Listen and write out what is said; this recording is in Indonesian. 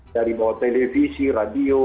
dari bahwa televisi radio